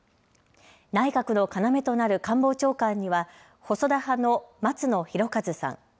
内閣の要となる官房長官には細田派の松野博一さん。